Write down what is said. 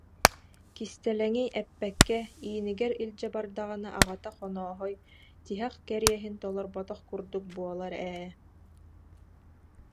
Кистэлэҥи эппэккэ иинигэр илдьэ бардаҕына аҕата Хонооһой тиһэх кэриэһин толорботох курдук буолар ээ